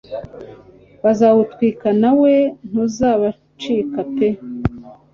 bazawutwika nawe ntuzabacika pee